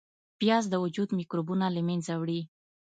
پیاز د وجود میکروبونه له منځه وړي